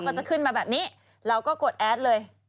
จะขึ้นมาแบบนี้เราก็กดแอดเลย